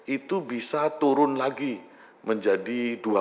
itu bisa turun lagi menjadi dua puluh